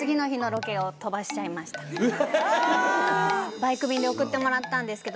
バイク便で送ってもらったんですけど。